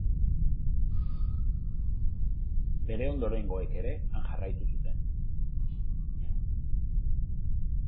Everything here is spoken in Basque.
Bere ondorengoek ere han jarraitu zuten.